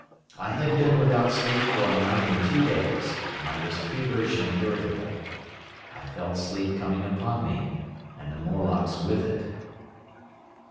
I had been without sleep for a night and two days, and I was feverish and irritable. I felt sleep coming upon me, and the Morlocks with it.